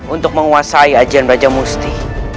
untuk menguasai ajian raja musti